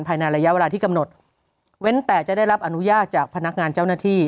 ภายในระยะเวลาที่กำหนดเว้นแต่จะได้รับอนุญาตจากพนักงานเจ้าหน้าที่